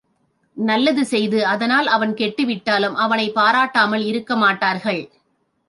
நல்லது செய்து அதனால் அவன் கெட்டு விட்டாலும் அவனைப் பாராட்டாமல் இருக்கமாட்டார்கள்.